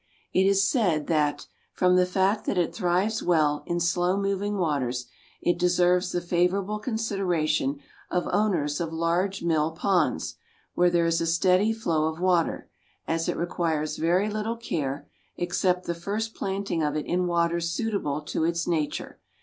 It is said that "from the fact that it thrives well in slow moving waters, it deserves the favorable consideration of owners of large mill ponds, where there is a steady flow of water, as it requires very little care, except the first planting of it in waters suitable to its nature.